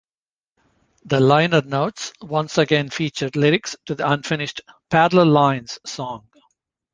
The liner notes once again featured lyrics to the unfinished "Parallel Lines" song.